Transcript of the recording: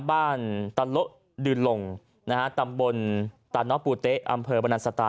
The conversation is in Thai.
บ้านตะโละดืนลงนะฮะตำบลตาน้อปูเต๊ะอำเภอบรรนันสตา